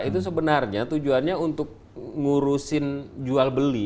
itu sebenarnya tujuannya untuk ngurusin jual beli